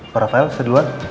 pak rafael saya duluan